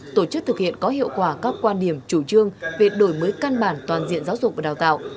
tổ chức thực hiện có hiệu quả các quan điểm chủ trương về đổi mới căn bản toàn diện giáo dục và đào tạo